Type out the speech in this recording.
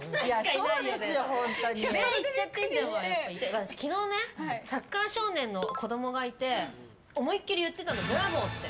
私、昨日ねサッカー少年の子供がいて思い切り言ってたのブラボーって。